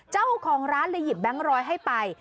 เจ้าของร้านเลยหยิบแบงค์ร้อยให้ไป